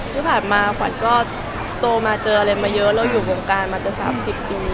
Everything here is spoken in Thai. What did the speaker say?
ที่ผ่านมาช้าก็โตมาเจออะไรมาเยอะเราอยู่กงการมาตั้งแต่๓๐ปีนี้